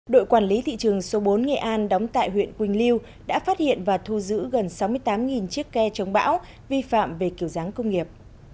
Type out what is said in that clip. đội quản lý thị trường số bốn nghệ an đóng tại huyện quỳnh lưu đã phát hiện và thu giữ gần sáu mươi tám chiếc ke chống bão vi phạm về kiểu dáng công nghiệp